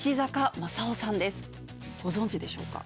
ご存じでしょうか？